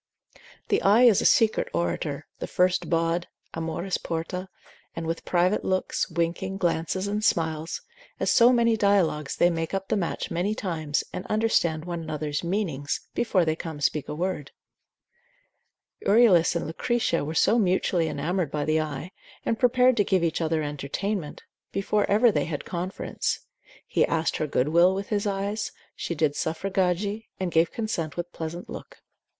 The eye is a secret orator, the first bawd, Amoris porta, and with private looks, winking, glances and smiles, as so many dialogues they make up the match many times, and understand one another's meanings, before they come to speak a word. Euryalus and Lucretia were so mutually enamoured by the eye, and prepared to give each other entertainment, before ever they had conference: he asked her good will with his eyes; she did suffragari, and gave consent with a pleasant look.